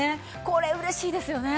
これ嬉しいですよね。